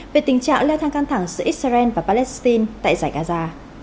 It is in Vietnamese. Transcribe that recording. về tình trạng leo thang căng thẳng giữa israel và palestine tại giải gaza